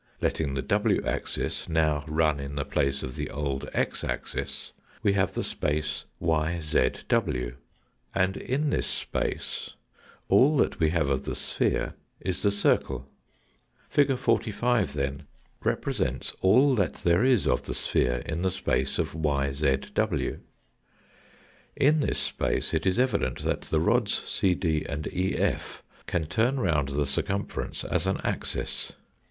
Letting the w axis now run in the place of the old x axis we have the space yzw, and in this space all that we have of the sphere is the circle. Fig. 45 then represents all that there is of the sphere in the space of yzw. In this space it is evident that the rods CD and EF can turn round the circumference as an axis.